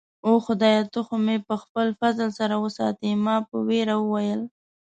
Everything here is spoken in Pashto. اوه، خدایه، ته خو مې په خپل فضل سره وساتې. ما په ویره وویل.